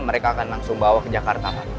mereka akan langsung bawa ke jakarta